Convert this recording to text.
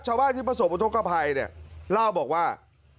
ชาวบ้านที่ประสบบทกภัยเล่าบอกว่า